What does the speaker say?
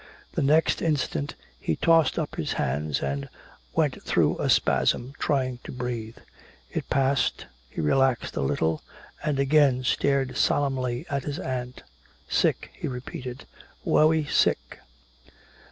The next instant he tossed up his hands and went through a spasm, trying to breathe. It passed, he relaxed a little, and again stared solemnly at his aunt. "Sick," he repeated. "Wery sick."